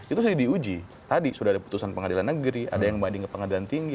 itu sudah diuji tadi sudah ada putusan pengadilan negeri ada yang banding ke pengadilan tinggi